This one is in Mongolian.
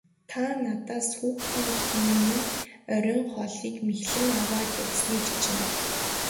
Та надаас хүүхдүүдийн минь оройн хоолыг мэхлэн аваад явсныг чинь.